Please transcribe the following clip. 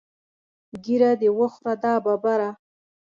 ږیره دې وخوره دا ببره.